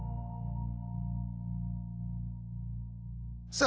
さあ